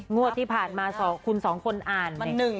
งวดที่ผ่านมาคุณ๒คนอ่าน